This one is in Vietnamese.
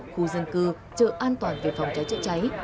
các mô hình như trường học an toàn vì phòng cháy chữa cháy